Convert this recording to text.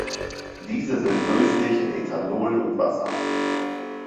Diese sind löslich in Ethanol und Wasser.